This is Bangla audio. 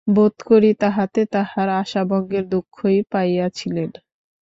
বোধ করি তাহাতে তাঁহারা আশাভঙ্গের দুঃখই পাইয়াছিলেন।